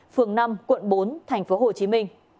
phường năm quận bốn tp hcm